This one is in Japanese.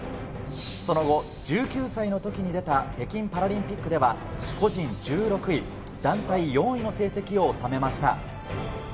その後、１９歳の時に出た北京パラリンピックでは、個人１６位、団体４位の成績を収めました。